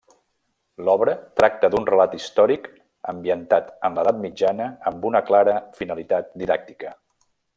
L'obra tracta d'un relat històric ambientat en l'edat mitjana, amb una clara finalitat didàctica.